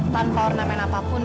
tanpa ornamen apapun